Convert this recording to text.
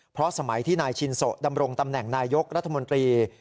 เพราะสมัยที่นายชินโสดำรงตำแหน่งนายยกรัฐมนตรี